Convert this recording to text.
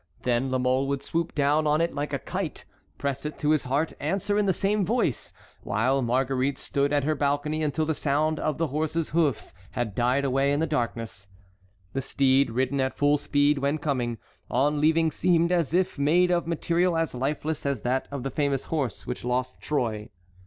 Then La Mole would swoop down on it like a kite, press it to his heart, answer in the same voice, while Marguerite stood at her balcony until the sound of the horse's hoofs had died away in the darkness. The steed, ridden at full speed when coming, on leaving seemed as if made of material as lifeless as that of the famous horse which lost Troy.